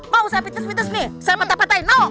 mau saya pites pites nih saya patah patahin